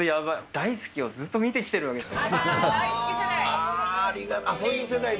ダイスキ！をずっと見てきてるわけですよ。